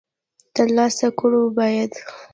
تر سره کړو باید.